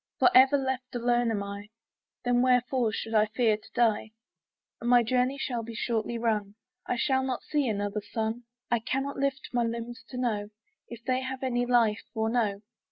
For ever left alone am I, Then wherefore should I fear to die? My journey will be shortly run, I shall not see another sun, I cannot lift my limbs to know If they have any life or no.